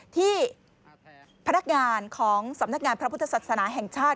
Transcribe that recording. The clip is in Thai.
ที่พนักงานของสำนักงานพระพุทธศาสนาแห่งชาติ